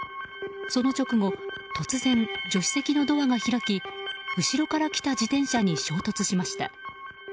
その直後突然、助手席のドアが開き後ろから来た自転車に衝突しました。